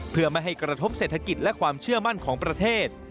เพื่อไม่ให้กระทบเศรษฐกิจและความเชื่อมั่นของประเทศ